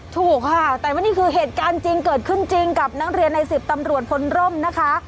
ถูกค่ะแต่ว่านี่คือเหตุการณ์จริงเกิดขึ้นจริงกับนักเรียนใน๑๐ตำรวจพลร่มนะคะ